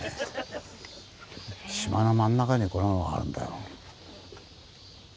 島の真ん中にこんなものがあるんだよ。